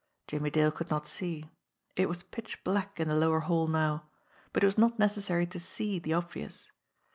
Jimmie Dale could not see, it was pitch black in the lower hall now, but it was not necessary to see the obvious.